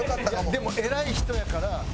でも偉い人やから。